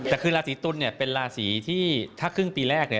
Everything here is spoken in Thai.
แต่คือราศีตุลเนี่ยเป็นราศีที่ถ้าครึ่งปีแรก